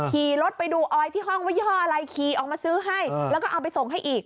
ขี่รถไปดูออยที่ห้องว่ายี่ห้ออะไรขี่ออกมาซื้อให้แล้วก็เอาไปส่งให้อีก